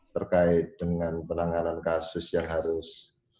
terkait dengan penanganan kasus yang harus